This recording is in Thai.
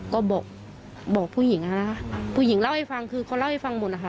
ก็บอกบอกผู้หญิงอ่ะนะผู้หญิงเล่าให้ฟังคือเขาเล่าให้ฟังหมดนะคะ